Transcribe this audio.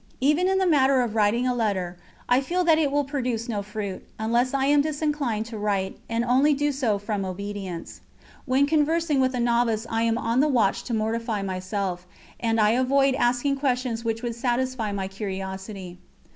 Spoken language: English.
Even in the matter of writing a letter, I feel that it will produce no fruit, unless I am disinclined to write, and only do so from obedience. When conversing with a novice I am on the watch to mortify myself, and I avoid asking questions which would satisfy my curiosity.